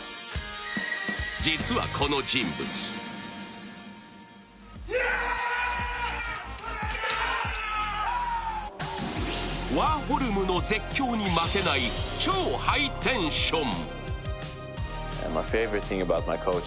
実はこの人物ワーホルムの絶叫に負けない超ハイテンション。